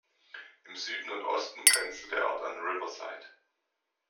Im Süden und Osten grenzte der Ort an Riverside.